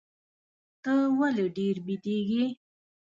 ته ولي ډېر بیدېږې؟